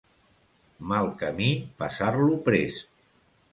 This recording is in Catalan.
Mal camí passar-lo prest.